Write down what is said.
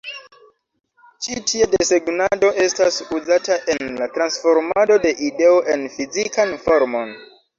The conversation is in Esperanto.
Ĉi tia desegnado estas uzata en la transformado de ideo en fizikan formon.